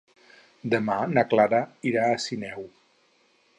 Demà na Clara irà a Sineu.